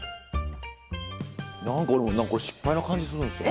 何か俺失敗な感じするんですよね。